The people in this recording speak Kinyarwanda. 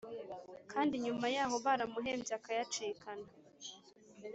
Kndi nyuma yahoo baramuhembye akayacikana